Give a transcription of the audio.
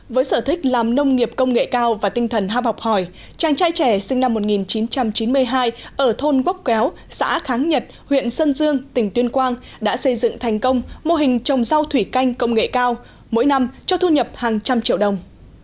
với sở thích làm nông nghiệp công nghệ cao và tinh thần hạp học hỏi chàng trai trẻ sinh năm một nghìn chín trăm chín mươi hai ở thôn quốc kéo xã kháng nhật huyện sơn dương tỉnh tuyên quang đã xây dựng thành công mô hình trồng rau thủy canh công nghệ cao mỗi năm cho thu nhập hàng trăm triệu đồng